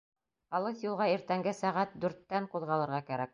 Алыҫ юлға иртәнге сәғәт дүрттән ҡуҙғалырға кәрәк.